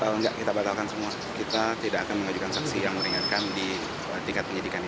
kalau enggak kita batalkan semua kita tidak akan mengajukan saksi yang meringankan di tingkat penyidikan ini